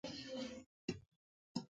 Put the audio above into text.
د کوانټم ټیلیپورټیشن معلومات لېږدوي نه ماده.